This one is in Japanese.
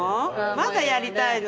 まだやりたいの？